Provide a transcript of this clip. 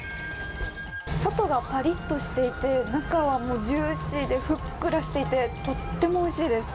外がパリッとしていて、中はジューシーでふっくらしていてとってもおいしいです。